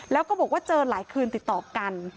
แล้วก็บอกว่าเจอหลายคืนติดต่อกัน